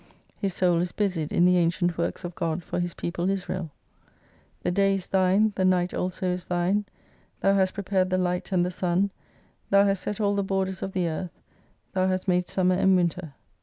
His soul is busied in the ancient works of God for His people Israel. The day is thine, the night also is thine. Thou hast prepared the Light and the Sun. Thou hasi set all the borders of the earth. Thou hast made summer and winter.